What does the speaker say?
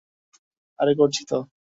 আরে করেছি তো।